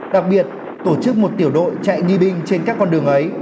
đặc biệt tổ chức một tiểu đội chạy nghi binh trên các con đường ấy